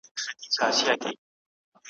خو هېر کړی هر یوه وروستی ساعت وي `